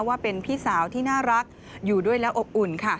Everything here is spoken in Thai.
ว่าเป็นพี่สาวที่น่ารักอยู่ด้วยแล้วอบอุ่นค่ะ